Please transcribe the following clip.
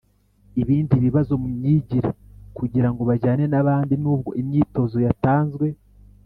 ibindi bibazo mu myigire kugira ngo bajyane n’abandi. Nubwo imyitozo yatanzwe